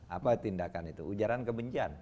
apa tindakan itu ujaran kebencian